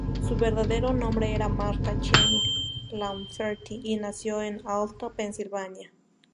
Su verdadero nombre era Martha Jane Lafferty, y nació en Altoona, Pennsylvania.